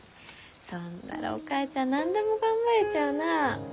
そんならお母ちゃん何でも頑張れちゃうな。